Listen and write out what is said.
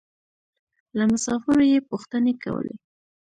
له مسافرو يې پوښتنې کولې.